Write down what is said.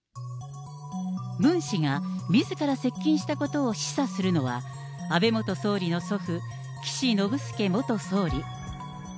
ムン氏がみずから接近したことを示唆するのは、安倍元総理の祖父、岸信介元総理。